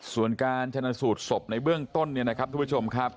ส่วนการชนะสูตรสอบในเบื้องต้นท่านครับครับ